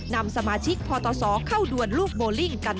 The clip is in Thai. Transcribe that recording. นำสมาชิกพตศเข้าดวนลูกโบลิ่งกัน